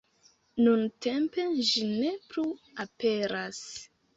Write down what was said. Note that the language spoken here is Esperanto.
Nuntempe ĝi ne plu aperas.